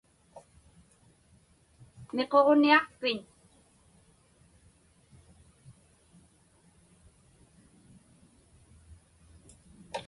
Miquġniaqpiñ?